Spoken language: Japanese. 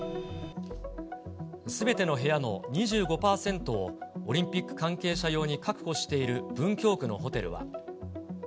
すべての部屋の２５％を、オリンピック関係者用に確保している文京区のホテルは。